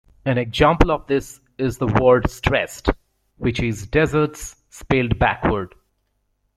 An example of this is the word "stressed", which is "desserts" spelled backward.